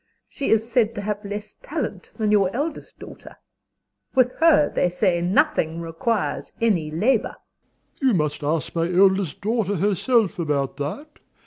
She is said to have less talent than your eldest daughter. With her, they say, nothing requires any labor. DOMINIE. You must ask my eldest daughter herself about that.